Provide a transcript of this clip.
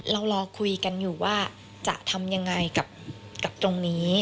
เรารอคุยกันอยู่ว่าจะทำยังไงกับตรงนี้